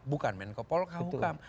bukan menko polhukam